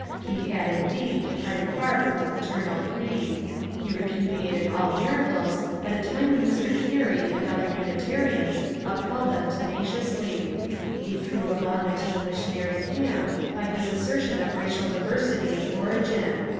He had, indeed, departed far from the paternal creed ; he repu diated all miracles at a time when Mr. Gary and other Uni tarians upheld them tenaciously. He threw a bomb into the missionary camp by his assertion of racial diversity of origin.